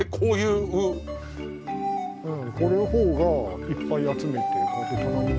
うんこの方がいっぱい集めてこうやって棚に。